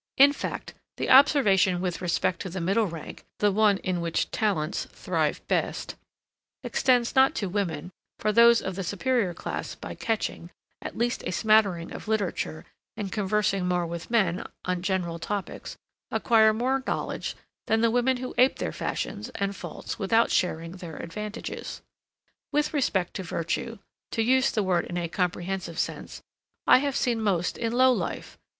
In fact, the observation with respect to the middle rank, the one in which talents thrive best, extends not to women; for those of the superior class, by catching, at least a smattering of literature, and conversing more with men, on general topics, acquire more knowledge than the women who ape their fashions and faults without sharing their advantages. With respect to virtue, to use the word in a comprehensive sense, I have seen most in low life.